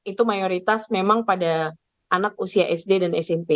itu mayoritas memang pada anak usia sd dan smp